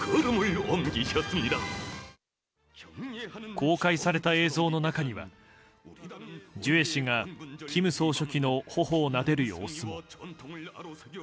公開された映像の中にはジュエ氏が金総書記の頬をなでる様子も。